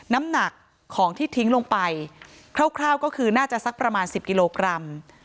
น้ำหนักของที่ทิ้งลงไปคร่าวก็คือน่าจะสักประมาณ๑๐กิโลกรัม